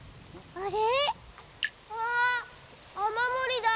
あれ？